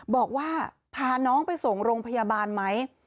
บอกว่าพาน้องไปส่งโรงพยาบาลไหม